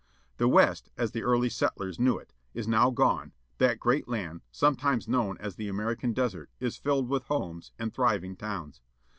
The West, as the early settlers knew it, is now gone, that great land, sometimes known as the American Desert, is filled with homes, and thriving towns.